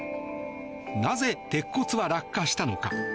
なぜ鉄骨は落下したのか。